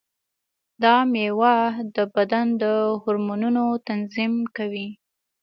دا مېوه د بدن د هورمونونو تنظیم کوي.